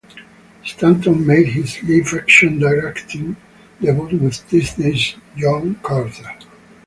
Stanton made his live-action directing debut with Disney's "John Carter".